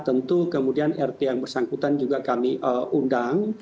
tentu kemudian rt yang bersangkutan juga kami undang